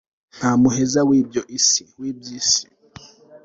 nta muheza w'ibyo isi. [w'iby'isi.